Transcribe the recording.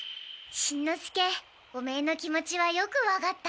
しんのすけおめえの気持ちはよくわかった。